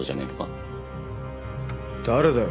誰だよ？